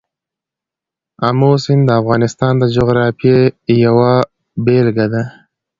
آمو سیند د افغانستان د جغرافیې یوه بېلګه ده.